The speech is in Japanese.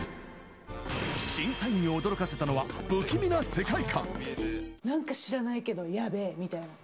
審査員を驚かせたのは、不気味ななんか知らないけどやべぇみたいな。